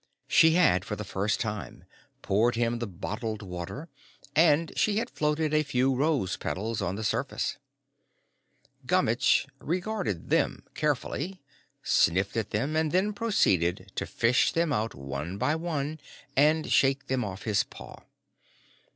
She had for the first time poured him the bottled water, and she had floated a few rose petals on the surface. Gummitch regarded them carefully, sniffed at them, and then proceeded to fish them out one by one and shake them off his paw.